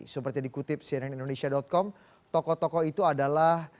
seperti dikutip sieningindonesia com tokoh tokoh itu adalah